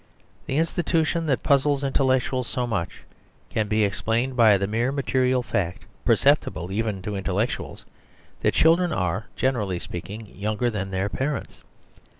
The institution that puzzles in tellectuals so much can be explained by the mere material fact (perceptible even to intel lectuals) that children are, generally speak ing, younger than their parents.